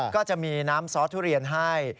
ก็จะมีน้ำซอสทุเรียนให้